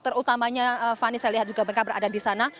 terutamanya fani saya lihat juga mereka berada di sana